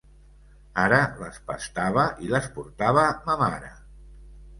Ara les pastava i les portava ma mare.